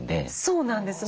そうなんですね。